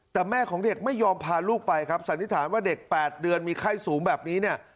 แต่แม่ของเด็กไม่ยอมพาลูกไปครับสันนิษฐานว่าเด็ก๘เดือนมีไข้สูงแบบนี้เนี่ย